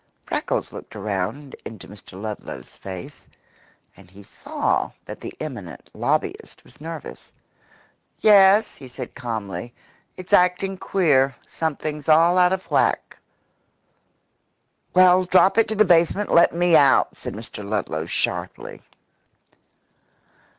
Freckles looked around into Mr. Ludlow's face, and he saw that the eminent lobbyist was nervous. "Yes," he said calmly. "It's acting queer. Something's all out of whack." "Well, drop it to the basement and let me out," said Mr. Ludlow sharply.